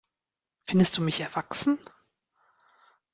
Findest du mich erwachsen?